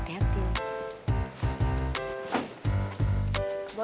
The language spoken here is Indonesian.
jangan tambah krepa